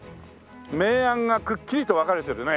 明暗がくっきりと分かれてるね。